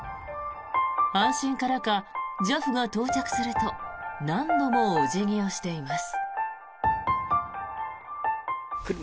安心からか、ＪＡＦが到着すると何度もお辞儀をしています。